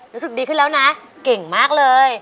รู้สึกดีขึ้นแล้วนะเก่งมากเลย